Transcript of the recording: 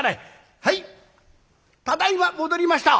はいただいま戻りました」。